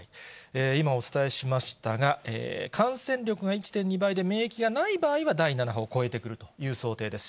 今お伝えしましたが、感染力が１．２倍で、免疫がない場合は、第７波を越えてくるという想定です。